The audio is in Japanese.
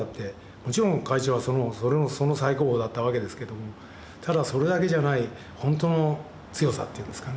もちろん会長はその最高峰だったわけですけどもただそれだけじゃない本当の強さっていうんですかね。